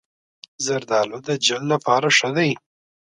زردالو د جلد لپاره ښه دی.